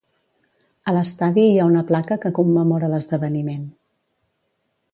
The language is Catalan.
A l'estadi hi ha una placa que commemora l'esdeveniment.